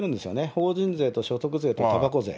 法人税と所得税とたばこ税。